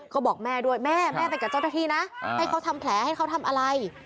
ก็บอกแม่ด้วยแม่แม่ไปกับเจ้าหน้าที่นะให้เขาทำแผลให้เขาทำอะไร